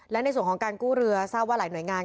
และในส่วนของการกู้เรือทราบว่าหลายหน่วยงาน